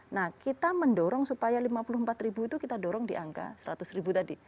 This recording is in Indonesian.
nah kita mendorong supaya lima puluh empat ribu itu kita dorong di angka seratus ribu tadi